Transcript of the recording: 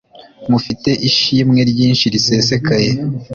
mufite ishimwe ryinshi risesekaye